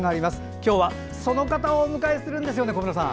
今日はその方をお迎えするんですよね、小村さん。